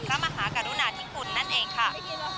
พระมหากรุณาธิคุณนั่นเองค่ะ